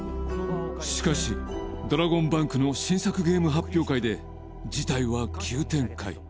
しかしドラゴンバンクの新作ゲーム発表会で事態は急展開